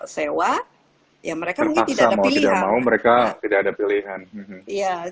sewa yang mereka mungkin tidak ada pilihan